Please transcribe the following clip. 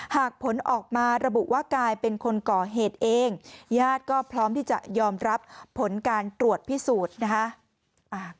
ผลออกมาระบุว่ากลายเป็นคนก่อเหตุเองญาติก็พร้อมที่จะยอมรับผลการตรวจพิสูจน์นะคะ